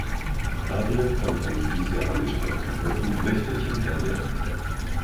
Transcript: Da wir von Herrn Liese angesprochen wurden, möchte ich ihm gerne antworten.